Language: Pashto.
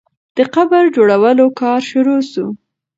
د قبر جوړولو کار شروع سو.